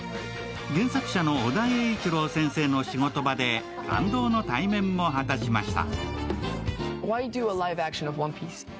原作者の尾田栄一郎先生の仕事場で感動の対面も果たしました。